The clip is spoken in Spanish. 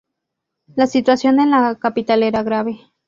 La situación en la capital era grave.